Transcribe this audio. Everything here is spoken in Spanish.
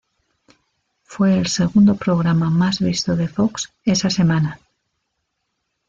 Fue el segundo programa más visto de Fox esa semana.